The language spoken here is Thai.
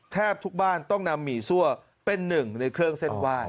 แทบทุกบ้านต้องนำหมี่ซั่วเป็นหนึ่งในเครื่องเส้นไหว้